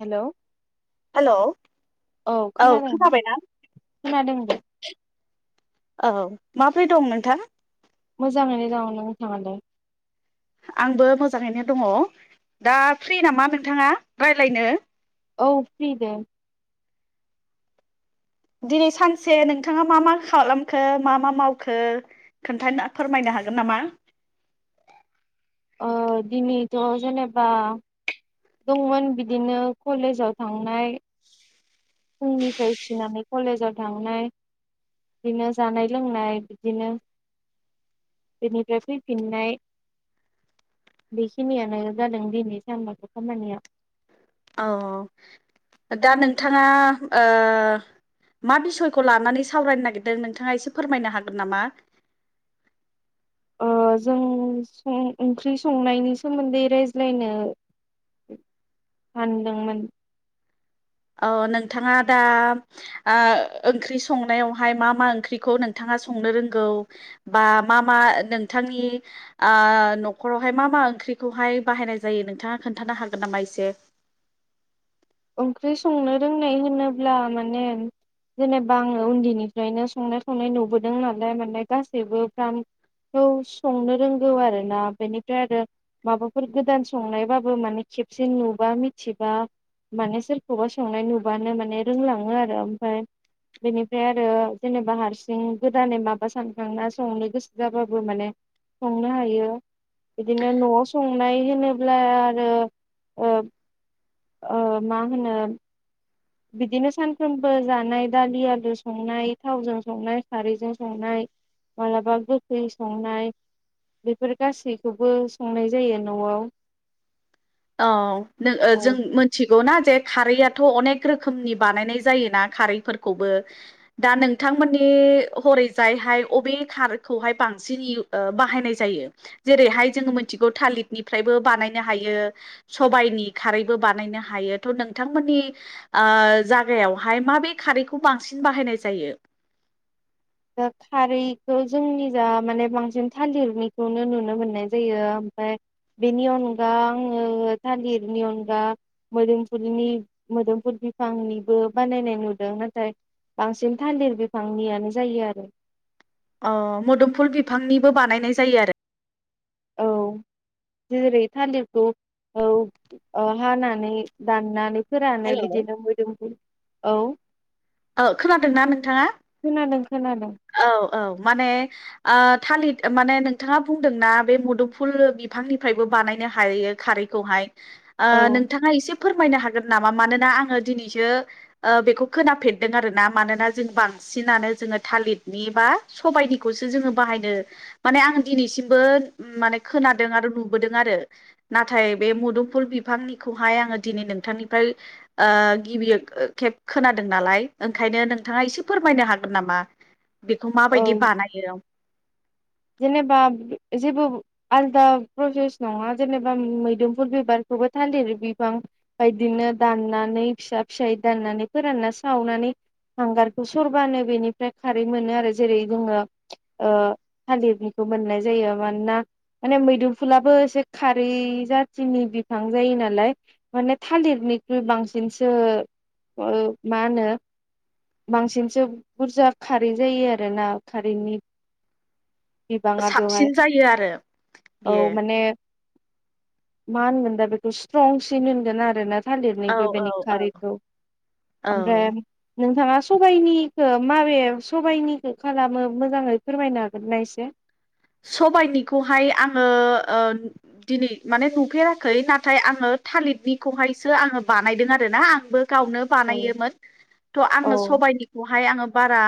हेल' hello औ खोनादों खोनाबायना खोनादों दे औ माब्रै दं नोंथां? मोजाङैनो दङ नोंथाङालाय? आंबो मोजाङैनो दङ दा फ्रि नामा नोंथाङा रायलायनो? औ फ्रि दे दिनै सानसे नोंथाङा मा मा खालामखो मा मा मावखो खोन्थानो फोरमायना ह हागोन नामा? ओ दिनैथ' जेनेबा दंमोन बिदिनो कलेजाव थांनाय फुंनिफ्राय उथिनानै कलेजाव थांनाय बिदिनो जानाय लोंनाय बिदिनो बेनिफ्राय फैफिननाय बेखिनियानो जादों दिनै सानबाथ' खामानिया। औ दा नोंथाङा ओ मा बिसयखौ लानानै सावरायनो नागिरदों नोंथाङा एसे फोरमायनो हागोन नामा? ओ जों सं ओंख्रि संनायनि सोमोनदोयै रायज्लायनो सानदोंमोन अ नोंथाङा दा ओ ओंख्रि संनायावहाय मा मा ओंख्रिखौ नोंथाङा संनो रोंगौ बा मा मा नोंथांनि ओ न'खरावहाय मा मा ओं ओंख्रिखौहाइ बाहायनाय जायो नोंथाङा खोन्थानो हागोन नामा एसे? ओंख्रि संनो रोंनाय होनोब्ला माने जेनेबा आङो उन्दैनिफ्रायनो संनाय खावनाय नुबोदों नालाय माने गासैबो फ्राम खौ संनो रोंगौ आरोना बेनिफ्राय आरो माबाफोर गोदान संनायबाबो माने खेबसे नुबा मिथिबा माने सोरखौबा संनाय नुबानो माने रोंलाङो आरो ओमफ्राय बेनिफ्राय आरो जेनेबा हारसिं गोदानै माबा सानखांना संनो गोसो जाबाबो माने संनो हायो। बिदिनो न'आव संनाय होनोब्ला आरो ओ ओ मा होनो बिदिनो सानफ्रोमबो जानाय दालि आलु संनाय थावजों संनाय खारैजों संनाय मालाबा गोखै संनाय बेफोर गासैखौबो संनाय जायो न'आव औ जों औ मिथिगौना जे खारैआथ' अनेक रोखोमनि बानायनाय जायोना खारैफोरखौबो दा नोंथांमोननि है हरैजायहाय अबे खारखौहाय बांसिन ओ बाहायनाय जायो जेरैहाय जों जोङो मिथिगौ थालिरनिफ्रायबो बानायनो हायो। सबायनि खारैबो बानायनो हायो थ' नोंथांमोननि ओ जागायावहाय मा माबे खारैखौ बांसिन बाहायनाय जायो। दा खारैखौ जोंनि जा माने बांसिन थालिरनिखौनो नुनो मोननाय जायो। ओमफ्राय बेनि अनगा आङो थालिरनि अनगा मोदोमफुलनि मोदोमफुल बिफांनिबो बानायनाय नुदों नाथाय बांसिन थालिर बिफांनियानो जायो आरो। अ मोदोमफुल बिफांनिबो बानायनाय जायो आरो। औ जेरै थालिरखौ औ ओ हानानै दाननानै फोरानो हेल' बिदिनो मोदोमफोर औ औ खोनादोंना नोंथाङा? खोनादों खोनादों औ औ माने ओ थालिरि माने नोंथाङा बुंदोंना बे मुदुमफुल बिफांनिफ्रायबो बानायनो हायो खारैखौहाय। ओ औ नोंथाङा एसे फोरमायनो हागोन नामा मानोना आङो दिनैसो ओ बेखौ खोनाफेरदों आरोना मानोना जों बां सिनानो जोङो थालिर नि एबा सबायाइनिखौसो जोङो बाहायनो माने आं दिनैसिमबो माने खोनादों आरो नुबोदों आरो नाथाय बे मुदुफुल बिफांनिखौ हाय आङो दिनै नोंथांनिफ्राय ओ ओ गिबि खेब खोनादों नालाय ओंखायनो नोंथाङा एसे फोरमायनो हागोन नामा? बेखौ औ माबायदि बानायो। जेनेबा जेबो आलदा प्रसेस नङा जेनेबा मैदोमफुल बिबारखौ बो थालिर बिफां बायदिनो दाननानै फिसा फिसा दाननानै फोरानना सावनानै हांगारखौ सरबानो बेनिफ्राय खारै मोनो आरो जेरै जोङो ओ थालिरनिखौ मोननाय जायो मानोना माने मैदुफुलाबो एसे खारै जाथिनि बिफां जायो नालाय माने थालिरनिख्रुइ बांसिनसो ओ माहोनो बांसिनसो बुरजा खारै जायो आरोना खारैनि बिबाङा बेवहाय साबसिन जायो आरो औ बियो माने मा होनगोन दा बेखौ स्ट्रंसिन होनगोन आरोना। औ थालिरनायनिख्रुइ औ बेनि औ खारैखौ ओमफ्राय औ नोंथाङा सबाइनिखौ माबे सबाइनिखौ खालामो मोजाङै फोरमायनो हागोनना एसे सबायाइनिखौहाय आङो ओ दिनै माने नुफेराखै नाथाय आङो थालिरनिखौहायसो आङो बानायदों आरोना आंबो गावनो औ बानायोमोन थ आङो औ सबायनिखौहाय आंङो बारा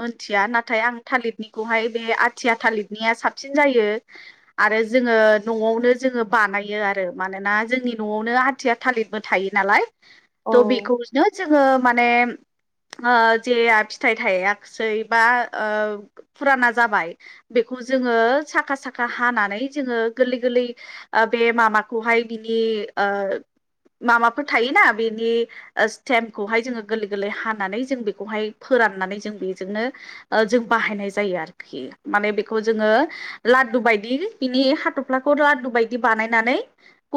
मोनथिया नाथाय आं थालिरनिखौहाय बे आथिया थालिर निया साबसिन जायो आरो जोङो न'आवनो जोङो बानायो आरो मानोना जोंनि न'आवनो आथिया थालिरबो थायो नालाय औ बेखौनो जोङो माने [inaudible] ओ जेया फिथाइ थायाखिसै बा फुराना जाबाय बेखौ जोङो साखा-साखा हानानै जोङो गोरलै-गोरलै ओ बे माबाखौहाय बिनि बे आ माबाफोर थायोना बेनि स्टेम्पखौहाय जोङो गोरलै-गोरलै हानानै जों बेखौहाय फो राननानै जों बेजोंनो जों बाहायनाय जायो आरोखि माने बेखौ जोङो लादु बायदि बिनि हाथ'फ्लाखौ ला्दु बायदि बानायनानै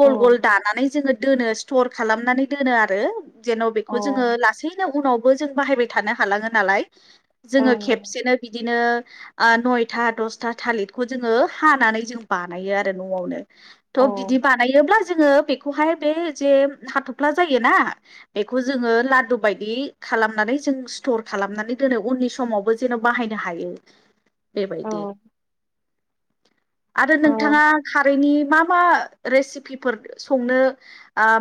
ग'ल ग'ल दानानै जोङो दोनो स्टर खालामनानै दोनो आरो जेन' बेखौ जोङो अ लासैनो उनावबो जों बाहायबाय थानो हालाङो नालाय औ जोङो खेबसेनो बिदिनो आ नय था दसथा थालिरखौ जोङो हानानै जों बानायो आरो न'आवनो। थ' औ बिदि बानायोबब्ला जोङो बे बेखौहाय बे जे हाथ'फ्ला जायोना बेखौ जोङो लादु बायदि खालामनानै जों स्टर खालामनानै दोनो उननि समावबो जेन' बाहायनो हायो। औ बेबायायदि आरो ओ नोंथाङा खारैनि मा मा रेसिपिफोर संनो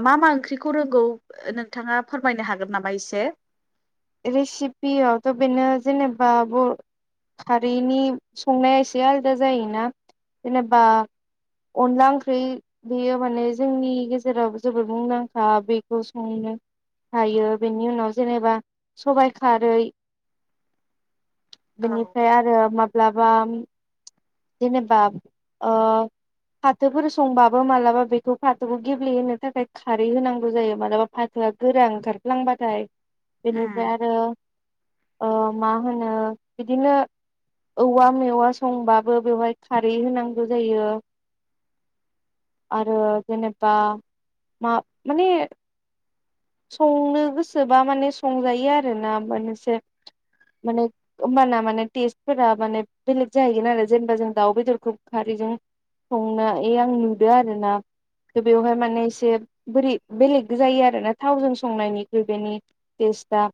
मा मा ओंख्रिखौ रोंगौ नोंथाङा। फोरमायनो हागोन नामा एसे रेसिपियावथ' बेनो जेनेबा बर' खारैनि संनाया एसे आलादा जायोना जेनेबा अनला ओंख्रि बेयो माने जोंनि गेजेराव जोबोद मुंदांखा बेखौ संनो थायो बेनि उनाव जेनेबा सबाइ खारै औ बेनिफ्राय आरो मा माब्लाबा जेनेबा ओ फाथोफोर संबाबो मालाबा बेखौ फाथोखौ गेब्लेहोनो थाखाय खारै होनांगौ जायो मालाबा फाथो गोरांओखारफ्लांबाथाय बेनिफ्राय उम आरो मा होनो बिदिनो औवा मेवा संबा बेवहाय खारै होनांगौ जायो आरो जेनेबा मा माने संनो गोसोबा माने संजायो आरोना मोनसे माने होनबाना माने टेस्टफोरा माने बेलेग जाहैगोन आरो जेनेबा जों दाउ बेदरखौ खारैजों संनाय आं नुदों आरो ना थ' बेवहाय माने एसे बोरै बेलेग जायो आरोना थावजों संनायनिख्रुइ बेनि टेस्टआ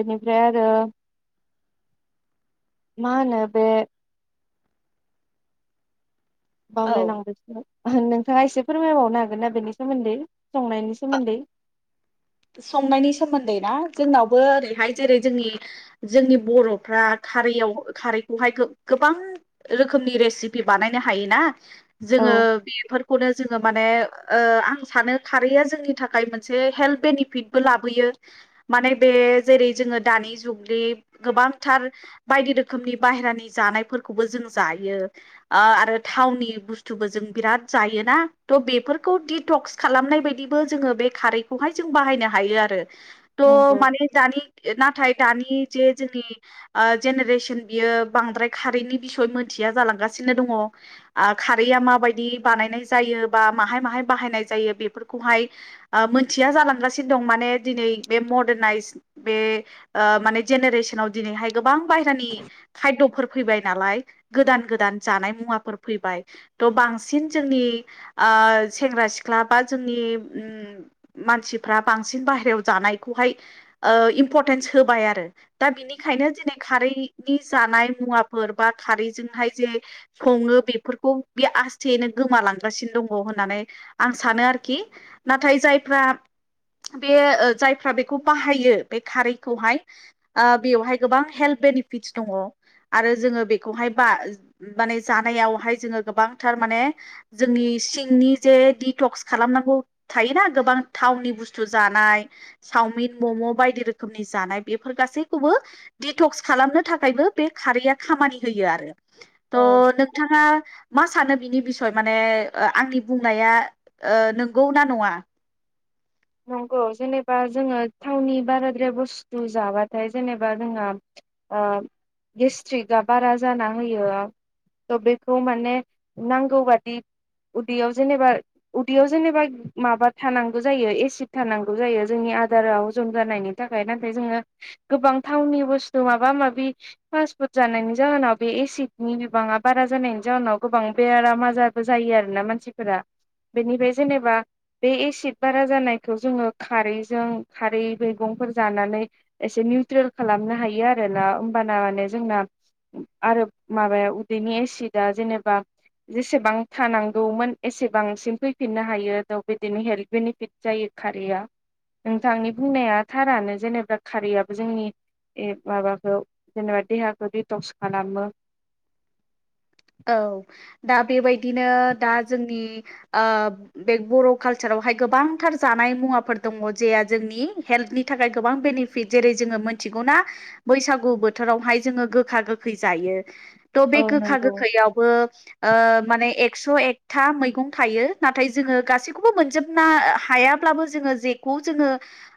बेनिफ्राय आरो मा होनो बे औ बावलायलांबायसोमोन नोंथाङा एसे फोरमायबावनो हागोन ना बेनि सोमोन्दै संनायनि सोमोन्दै संनायनि सोमोन्दै ना जोंनावबो ओरैहाय जेरै जोंनि जोंनि बर'फ्रा खारैयाव खारैखौहाय गोबां रोखोमनि रेसिपि बानायनो हायोना। औ जोङो बेफोरखौनो जोङो माने ओ आं सानो खारैया जोंनि थाखाय मोनसे हेल्प बेनिफिटबो लाबोयो माने बे जेरै जोङो दानि जुगनि गोबांथार बायदि रोखोमनि बाहहेरानि जानायफोरखौबो जों जायो आरो थावनि बुस्थुबो जों बिरात जायोना त बेफोरखौ दियक्स खालामनायबायदिबो जोङो बे खारैखौहाय जों बाहायनो हायो आरो थ' माने दानि नाथाय दानि जे जोंनि जेनेरेसन बियो बांद्राय खारैनि बिसय मोनथिया जालांगासिनो। नो दङ ओ खारैआ माबायदि बानायनाय जायो बा माहाय माहाय बाहायनाय जायो बेफोरखौ हाय मोनथि या जालांगासिनो दं माने दिनै बे मदारनाइज बे माने जेनेरेसनाव दिनै गोबां बायहेरानि खाय'दफोर फैबाय नालाय गोदान गोदान जानाय मुवाफोर फैबाय। थ' बांसिन जोंनि ओ सेंग्रा सिख्ला बा जोंनि उ मानसिफ्रा बांसिन बाहेरायाव जानायखौहाय ओ इम्परटेन्स होबाय आरो दा बिनिखायनो नो दिनै खारैनि जानाय मुवाफोर बा खारैजोंहाय जे सङो बेफोरखौ बे आसथेयैनो गोमालांगासिन दंङ होननानै आं सानो आरोखि नाथाय जाय। फ्राब। बे ओ जायफ्रा बेखौ बाहायो बे खारैखौहाय ओ बेवहाय गोबां हेल्प। बेनिफिटस दंङ। आरो जोंङो बेखौहाय बा माने जानायावहाय जोंङो गोबांथार माने जोंनि। सिंनि जे डटक्स खालामनांगौ थायोना। गोबां थावनि बुस्थु जानाय चावमिन मम बायदि रोखोमनि जानाय बेफोर गासैखौबो। दिटक्स खालामनो थाखायबो बे खारैया खामानि होयो आरो। औ त' नोंथांङा मा सानो बिनि बिसय माने ओ आंनि बुंनाया ओ नोंगौ ना नंङा? नंगौ जेनेबा जोंङो थावनि बाराद्राय बुस्थु जाबाथाय जेनेबा जोंहा ओ गेस्ट्रिकआ बारा जाना होयो। थ' बेखौ माने नांगौ बादि। उदैयाव जेनेबा उदैयाव जेनेबा माबा थानांगौ जायो एसि थिख थानांगौ जायो जोंनि आदाराव हजम जानायनि थाखाय जोंङो गोबां थावनि बुसथु माबा माबि फासफुद जानायनि जाहोनाव बे एसिडनि बिबांङा बारा जानायनि जाहनाव गोबां बे बेराम आजारफोर जायो आरोना मानसिफोरा बेनिबे जेनेबा बे एसिड बारा जानाय खौ जोंङो खारैजों खारै मैगंफोर जानानै एसे निउट्रेल खालामनो हायो आरो। एला ओमबाना माने जोंना आरो माबाया उदैनि एसिदा जेनेबा जेसेबां थानांगौमोन एसेबांसिम फैफिननो हायो थ बिदिनो हेल्थ बिनिफिट जायो खारैआ नोंथांनि बुंनाया थारानो जेनेबा खारैआबो जोंनि ए माबाखौ जेनेबा देहाखौ डिटक्स खालामो। [inaudible] औ दा बेबायदिनो दा जोंनि ओ बे बर' कालचाराव बहाय गोबांथार जानाय मुवाफोर दंङ जेआ जोंनि हेल्थनि थाखाय गोबां बेनिफिट जेरै जोंङो मोन मिथिगौना बैसागु बोथोरावहाय जोंङो गोखा गोखै जायो। ओ नोंगौ। आवबो ओ माने एक्स एकथा मैगं थायो नाथाय जोंङो गासैखौबो मोनजोब ना हायाब्लाबो जोंङो जेखौ जोंङो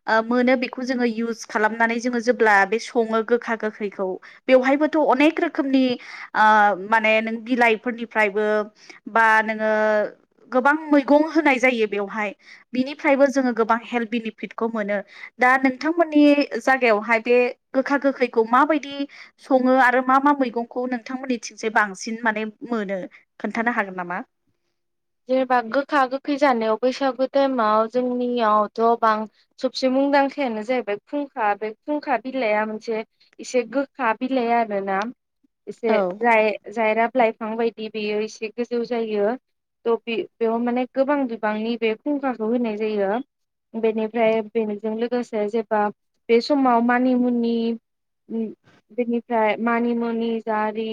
ओ मोनो बेखौ जोंङो इउस खालामनानै जोंङो जो ब्ला बे संङो गोखा गोखैखौ बेवहायबोथ अनेक रोखोमनि आ माने नों बिलाइफोरनिफ्रायबो बा नोंङो गोबां मैगं होनाय जायो बेयावहाय बिनिफायबो जोंङो गोबां हेल्थ बिनिफिटखौ मोनो। दा नोंथांमोननि जागायावहाय बे गोखा गोखैखौ माबायदि संङो आरो मा मा मैगंखौ नोंथांमोनिथिंजाय बांसिन माने मोनो खोन्थानो हागोन नामा? जेनेबा गोखा गोखै जानायाव बैसागु टाइमाव जोंनियावथ बां सबसे मुं मुंदांखायानो जाहैबाय खुंखा बे खुंखा बिलाइआ मोनसे एसे गोखा बिलाइ आरोना। औ एसे जाय जायराब लाइफां बायदि बेयो एसे गोजौ जायो। थ बि बेयाव माने गोबां बिबांनि बे खुंखाखौ होनाय जायो। बेनिफ्राय बेनिजों लोगोसे जेबा बे समाव मानिमुनि उम्म बेनिफ्राय मानिमुनि जारि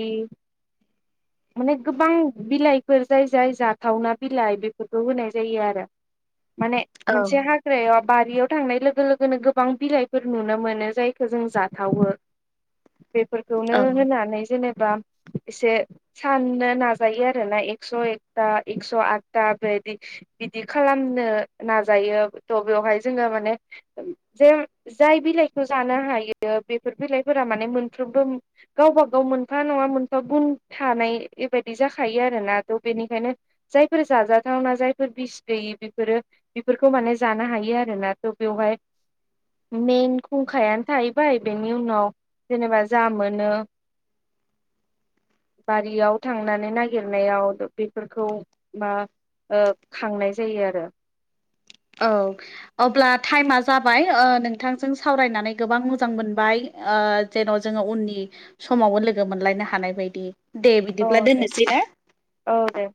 माने गोबां बिलाइफोर जाय जाय जा थावना बिलाइ बेफोरखौ होनाय जायो आरो माने औ मोनसे हाग्रायाव बारियाव थांनाय लोगो लोगोनो गोबां बिलाइफोर नुनो मोनो जायखौ जों जाथावो। [inaudible] बेफोरखौनो होनानै जेनेब बा एसे साननो नाजायो आरो ना एक्स एक दा एक्स आथथा बेदि बिदि खालामनो नाजायो थ बेयावहाय जोंङो माने जेम जाय बिलाइखौ जानो हायो बेफोर बिलाइफोरा माने मोनफ्रोमबो गावबा गाव मोनफा नंङा मोनफा गुन थानाय एबायदि जाखायो आरोना थ बेनि खायनो जायफोर जाजाथावना जायफोर बिस गैयि बेफोरो बिफोरखौ माने जानो हायो आरोना। द बेवहाय मेन खुंखायानो थाहैबाय बेनि उनाव जेनेबा जा मोनो बारियाव थांनानै नागिरनायाव बेफोरखौ मा ओ खांनाय जायो आरो। औ अब्ला टाइमा जाबाय ओ नोंथांजों सावरायनानै गोबां मोजां मोनबाय। ओ जेन' जोङो उननि समावबो लोगो मोनलायनो हानाय बायदि। दे औ बिदिब्ला दे दोननोसै औ ना? दे